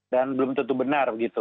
dan belum tentu benar gitu